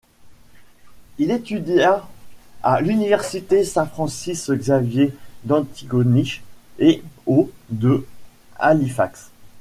Il étudia à l'université Saint-Francis-Xavier d'Antigonish et au de Halifax.